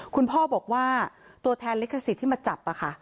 คุณพ่อบอกว่าตัวแทนลิขสิทธิ์ที่มาจับค่ะ